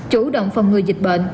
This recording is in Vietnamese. chủ động phòng người dịch bệnh